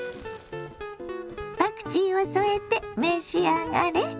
パクチーを添えて召し上がれ。